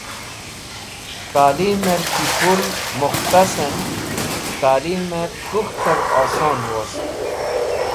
Talimẽr ki pũl mukhtasẽn talimẽb kũk̃htẽr oson wost.